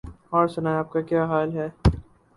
اور سنائیں آپ کا کیا حال ہے؟